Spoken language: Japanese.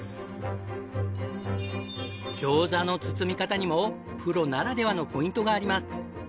餃子の包み方にもプロならではのポイントがあります。